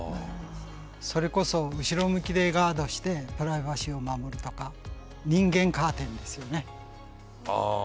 それこそ後ろ向きでガードしてプライバシーを守るとか人間カーテンですよね。